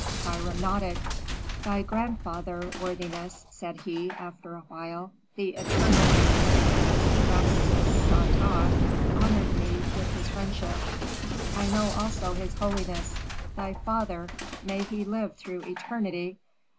Hiram nodded. "Thy grandfather, worthiness," said he, after a while, "the eternally living Rameses sa Ptah, honored me with his friendship; I know also his holiness, thy father may he live through eternity!